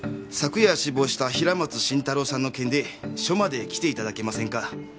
昨夜死亡した平松伸太郎さんの件で署まで来ていただけませんか？